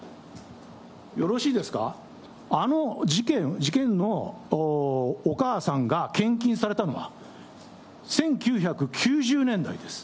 よろしいですか、あの事件のお母さんが献金されたのは、１９９０年代です。